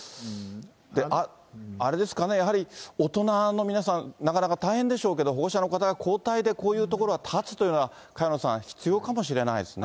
あれですかね、やはり、大人の皆さん、なかなか大変でしょうけど、保護者の方が交代で、こういう所は立つというのは、萱野さん、必要かもしれないですね。